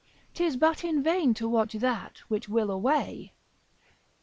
'Tis but in vain to watch that which will away.